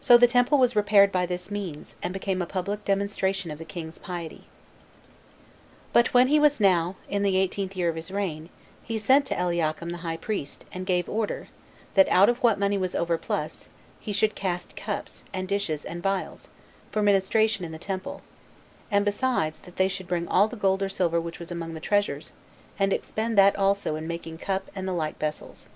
So the temple was repaired by this means, and became a public demonstration of the king's piety. 2. But when he was now in the eighteenth year of his reign, he sent to Eliakim the high priest, and gave order, that out of what money was overplus, he should cast cups, and dishes, and vials, for ministration [in the temple]; and besides, that they should bring all the gold or silver which was among the treasures, and expend that also in making cups and the like vessels.